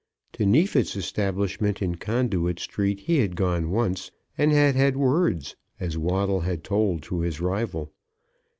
To Neefit's establishment in Conduit Street he had gone once, and had had words, as Waddle had told to his rival.